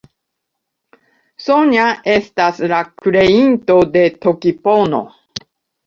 Sonja estas la kreinto de Tokipono.